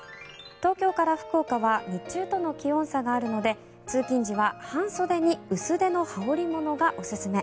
東京から福岡は日中との気温差があるので通勤時は半袖に薄手の羽織物がおすすめ。